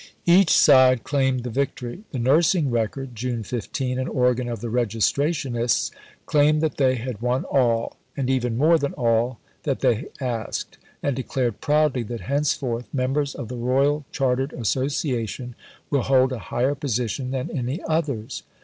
Each side claimed the victory. The Nursing Record (June 15) an organ of the Registrationists claimed that they had won all, and even more than all, that they asked, and declared proudly that henceforth "members of the Royal Chartered Association will hold a higher position than any others."